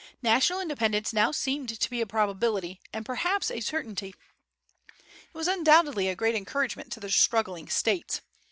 National independence now seemed to be a probability, and perhaps a certainty. It was undoubtedly a great encouragement to the struggling States.